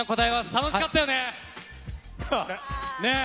楽しかったよね？ね？